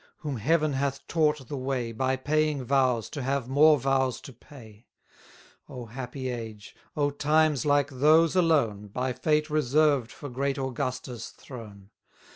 whom Heaven hath taught the way, By paying vows to have more vows to pay! Oh, happy age! oh times like those alone, 320 By fate reserved for great Augustus' throne!